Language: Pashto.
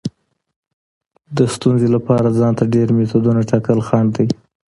د ستونزې لپاره ځان ته ډیر میتودونه ټاکل خنډ دی.